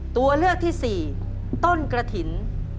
ตัวเลือกที่สี่ต้นกระถิ่น